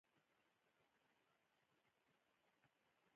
هغوی په صمیمي دریاب کې پر بل باندې ژمن شول.